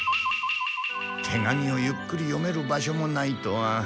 手紙をゆっくり読める場所もないとは。